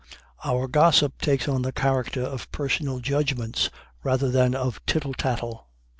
Our gossip takes on the character of personal judgments rather than of tittle tattle.